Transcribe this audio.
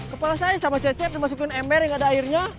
kepala saya sama cecep dimasukin ember yang ada airnya